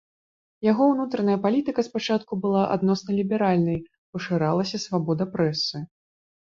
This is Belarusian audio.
Яго ўнутраная палітыка спачатку была адносна ліберальнай, пашырылася свабода прэсы.